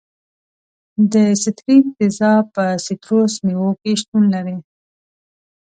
د ستریک تیزاب په سیتروس میوو کې شتون لري.